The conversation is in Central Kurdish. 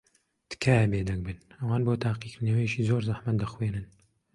تکایە بێدەنگ بن. ئەوان بۆ تاقیکردنەوەیەکی زۆر زەحمەت دەخوێنن.